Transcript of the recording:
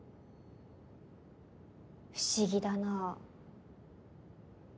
不思議だなぁ。